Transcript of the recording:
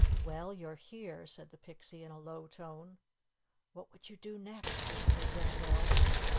"Well, you're here," said the Pixie in a low tone. "What would you do next?" whispered Wendell.